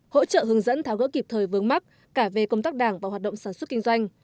hỗ trợ hướng dẫn tháo gỡ kịp thời vướng mắt cả về công tác đảng và hoạt động sản xuất kinh doanh